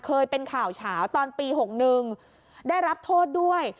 เคยเป็นข่าวเฉาตอนปี๖๑ได้รับโทษด้วย